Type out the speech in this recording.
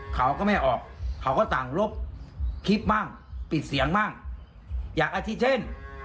เขาก็ไม่ออกเขาก็สั่งลบคลิปบ้างปิดเสียงบ้างอยากแบบเช่น